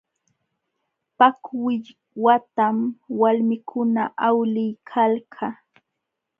Paku willwatam walmikuna awliykalka.